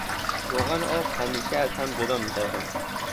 روغن و آب همیشه از هم جدا میشوند.